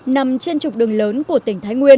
nằm trên trục đường lớn của tỉnh thái nguyên